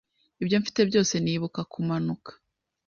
Ibyo mfite byose nibuka kumanuka